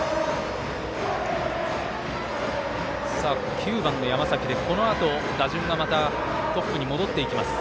９番の山崎で、このあとまた打順トップに戻っていきます。